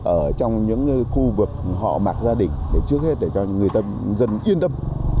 ở trong những khu vực họ mạc gia đình để trước hết để cho người dân yên tâm